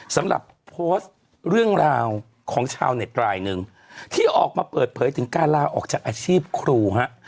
สำหรับโพสต์เรื่องราวของชาวเน็ตรายหนึ่งที่ออกมาเปิดเผยถึงการลาออกจากอาชีพครูฮะ